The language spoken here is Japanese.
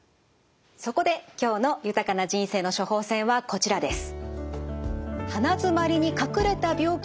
そこで今日の豊かな人生の処方せんはこちらです。